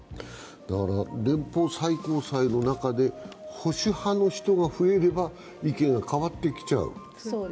連邦最高裁の中で保守派の人が増えれば意見が変わってきちゃう。